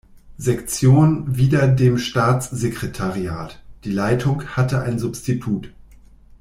Sektion wieder dem Staatssekretariat; die Leitung hatte ein Substitut.